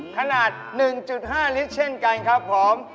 ขนาด๑๕ลิตรเช่นกันครับผม